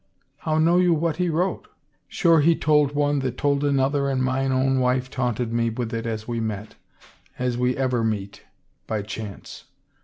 " How know you what he wrote ?"" Sure he told one that told another and mine own wife taunted me with it as we met — as we ever meet — by chance."